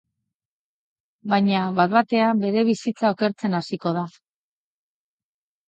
Baina, bat-batean, bere bizitza okertzen hasiko da.